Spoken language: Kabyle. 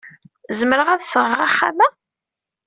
Zemreɣ ad d-sɣeɣ axxam-a?